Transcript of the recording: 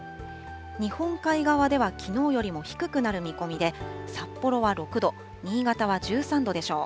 日本海側ではきのうよりも低くなる見込みで、札幌は６度、新潟は１３度でしょう。